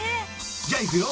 じゃあいくよ。